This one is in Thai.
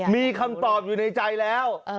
มีคำตอบอยู่ในใจแล้ว